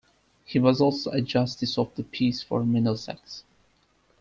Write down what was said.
He was also a Justice of the Peace for Middlesex.